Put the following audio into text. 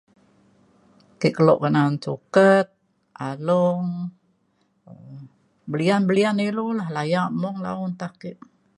ke kelo na’an suket alung um belian belian ilu lah layak mung la un te ake